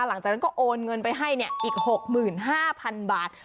หลังจากนั้นก็โอนเงินไปให้อีก๖๕๐๐๐บาท